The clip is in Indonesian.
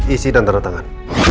isi dandara tangan